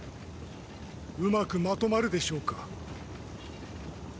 うまくまとまるでしょうか？